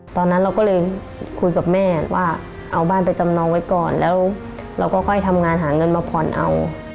ตอนนั้นเราก็เลยคุยกับแม่ว่าเอาบ้านไปจำนองไว้ก่อนแล้วเราก็ค่อยทำงานหาเงินมาผ่อนเอา